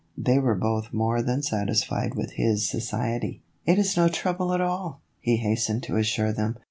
They were both more than satisfied with his society. " It is no trouble at all," he hastened to assure them.